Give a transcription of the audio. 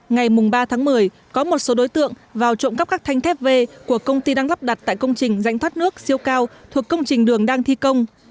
ngày ba tháng một mươi có một số đối tượng vào trộm cắp các thanh thép v của công ty đang lắp đặt tại công trình rãnh thoát nước siêu cao thuộc công trình đường đang thi công